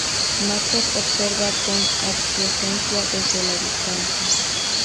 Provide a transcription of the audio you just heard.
Marcos observa con aquiescencia desde la distancia.